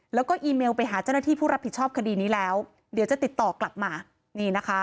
แล้วก็อีเมลไปหาเจ้าหน้าที่ผู้รับผิดชอบคดีนี้แล้วเดี๋ยวจะติดต่อกลับมานี่นะคะ